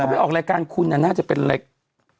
แล้วเขาไปออกรายการคุณน่าจะเป็นอะไร